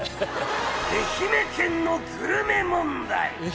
愛媛県のグルメ問題。